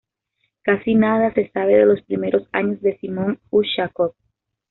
Casi nada se sabe de los primeros años de Simon Ushakov.